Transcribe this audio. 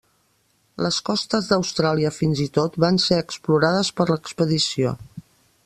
Les costes d'Austràlia fins i tot van ser explorades per l'expedició.